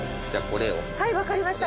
はい分かりました。